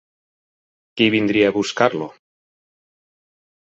Qui vindria a buscar-lo?